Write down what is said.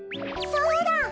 そうだ！